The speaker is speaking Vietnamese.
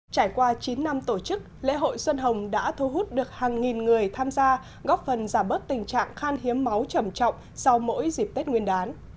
trải qua chín năm tổ chức lễ hội xuân hồng đã thu hút được hàng nghìn người tham gia góp phần giảm bớt tình trạng khan hiếm máu trầm trọng sau mỗi dịp tết nguyên đán